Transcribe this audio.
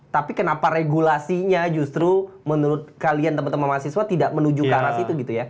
tapi kenapa regulasinya justru menurut kalian teman teman mahasiswa tidak menuju ke arah situ gitu ya